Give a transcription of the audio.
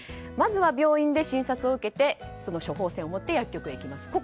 まずは、病院で診察を受けて処方箋を持って薬局に行きます。